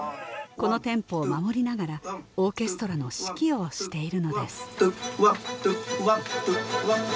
このテンポを守りながらオーケストラの指揮をしているのです１２１２１２。